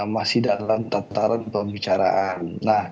masih dalam tataran pembicaraan